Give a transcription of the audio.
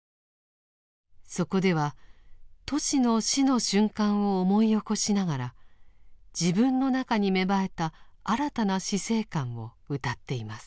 そこではトシの死の瞬間を思い起こしながら自分の中に芽生えた新たな死生観をうたっています。